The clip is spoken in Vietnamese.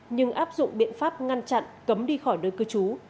nhưng áp dụng biện pháp ngăn chặn cấm đi khỏi nơi cư trú